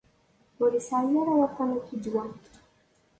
Ur isεi ara waṭṭæn-agi ddwa.